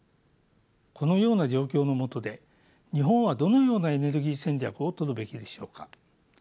このような状況のもとで日本はどのようなエネルギー戦略をとるべきでしょうか。